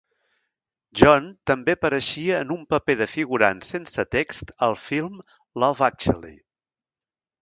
John també apareixia en un paper de figurant sense text al film "Love Actually".